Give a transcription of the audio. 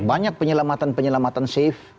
banyak penyelamatan penyelamatan safe